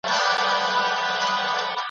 نه یې توره نه یې سپر وي جنګیالی پکښی پیدا کړي ,